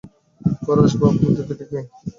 ঘরে আসবাব অধিক নাই।